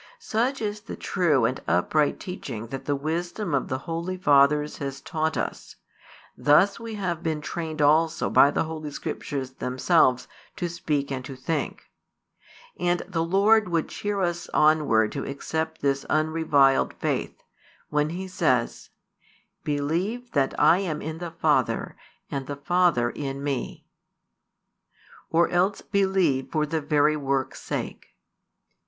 Such is the true and upright teaching that the wisdom of the holy fathers has taught us: thus we have been trained also by the Holy Scriptures themselves to speak and to think. And the Lord would cheer us onward to accept this unreviled faith, when he says: Believe that I am in the Father, and the Father in Me. Or else believe for the very works' sake.